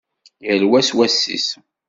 Yal wa s wass-is.